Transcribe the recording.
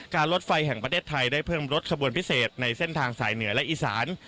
รถไฟแห่งประเทศไทยได้เพิ่มรถขบวนพิเศษในเส้นทางสายเหนือและอีสาน